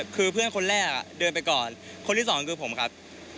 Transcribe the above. คือเพื่อนคนแรกเดินไปก่อนคนที่สองคือผมครับ